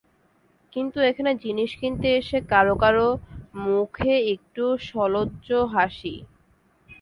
কিন্তু এখানে জিনিস কিনতে এসে কারও কারও মুখে একটু সলজ্জ হাসি।